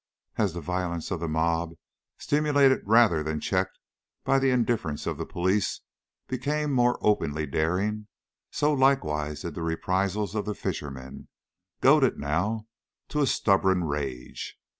As the violence of the mob, stimulated rather than checked by the indifference of the police, became more openly daring, so likewise did the reprisals of the fishermen, goaded now to a stubborn rage.